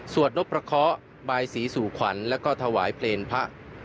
นกประเคาะบายสีสู่ขวัญแล้วก็ถวายเพลงพระ